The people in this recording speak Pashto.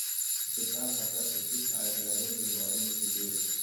د سرطان خطر په ټیټ عاید لرونکو هېوادونو کې ډېر دی.